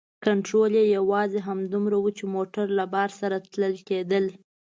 کنترول یې یوازې همدومره و چې موټر له بار سره تلل کیده.